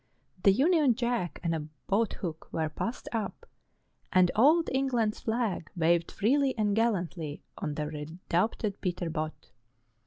The union jack and a boat hook were passed up, and old England's flag waved freely and gallantly on the redoubted Peter Botte.